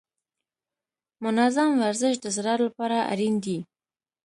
منظم ورزش د زړه لپاره اړین دی.